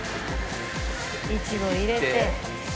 イチゴ入れて。